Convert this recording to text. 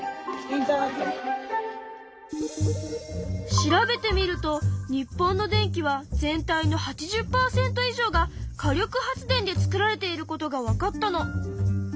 調べてみると日本の電気は全体の８０％以上が火力発電で作られていることがわかったの。